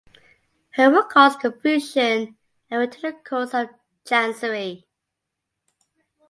Her will caused confusion and went to the courts of chancery.